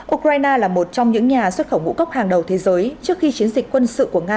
ukraine là một trong những nhà xuất khẩu ngũ cốc hàng đầu thế giới trước khi chiến dịch quân sự của nga